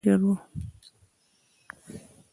هغه له خدايه منکر و.